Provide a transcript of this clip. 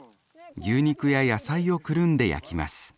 牛肉や野菜をくるんで焼きます。